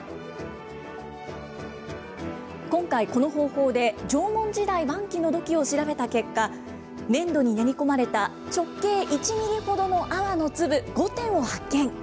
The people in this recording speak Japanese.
今回、この方法で縄文時代晩期の土器を調べた結果、粘土に練り込まれた直径１ミリほどのアワの粒５点を発見。